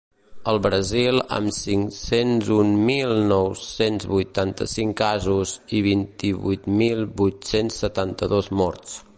El Brasil, amb cinc-cents un mil nou-cents vuitanta-cinc casos i vint-i-vuit mil vuit-cents setanta-dos morts.